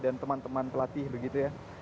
dan teman teman pelatih begitu ya